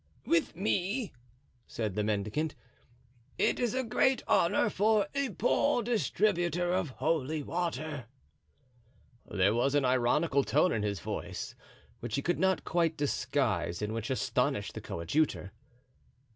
"With me!" said the mendicant; "it is a great honor for a poor distributor of holy water." There was an ironical tone in his voice which he could not quite disguise and which astonished the coadjutor.